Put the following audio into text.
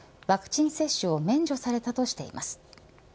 ワクチン接種を免除されたとしています。